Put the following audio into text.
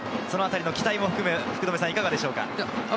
期待も含めていかがでしょうか？